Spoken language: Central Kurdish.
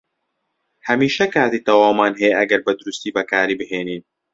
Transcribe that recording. هەمیشە کاتی تەواومان هەیە ئەگەر بەدروستی بەکاری بهێنین.